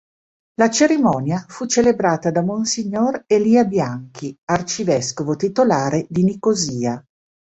La cerimonia fu celebrata da mons. Elia Bianchi, arcivescovo titolare di Nicosia.